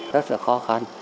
rất là khó khăn